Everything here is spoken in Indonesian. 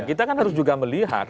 kita kan harus juga melihat